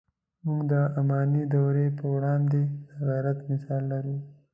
موږ د اماني دورې پر وړاندې د غیرت مثال لرو.